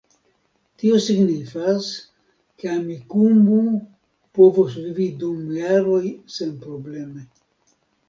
Tio signifas, ke Amikumu povos vivi dum jaroj senprobleme